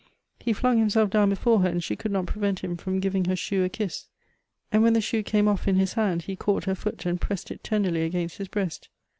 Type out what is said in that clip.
He flung himself down before her, and she could not prevent him from giving her shoe a kiss. And when the shoe came off in his hand, he caught her foot and pressed if tenderly against his breast.